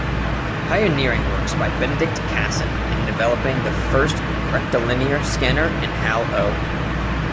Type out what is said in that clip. Pioneering works by Benedict Cassen in developing the first rectilinear scanner and Hal O.